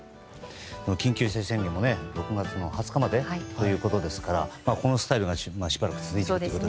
緊急事態宣言も６月２０日までということですからこのスタイルがしばらく続くということですね。